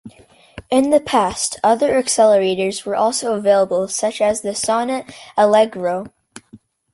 In the past other accelerators were also available such as the Sonnet Allegro.